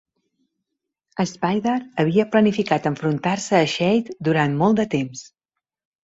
Spider havia planificat enfrontar-se a Shade durant molt de temps.